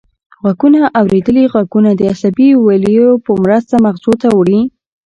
غوږونه اوریدلي غږونه د عصبي ولیو په مرسته مغزو ته وړي